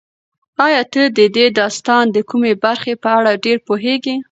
ایا ته د دې داستان د کومې برخې په اړه ډېر پوهېږې؟